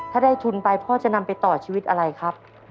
ถ้าได้ทุนไปพ่อจะนำไปต่อชีวิตอะไรครับ